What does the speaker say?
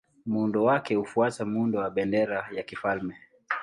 Muundo wake hufuata muundo wa bendera ya kifalme.